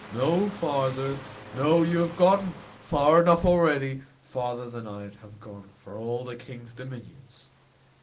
No farther! No, you have gone far enough already; farther than I'd have gone for all the king's dominions."